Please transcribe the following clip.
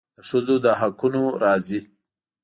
د ښځو د حقونو راځي.